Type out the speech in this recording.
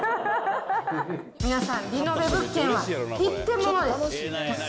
皆さん、リノベ物件は一点ものです。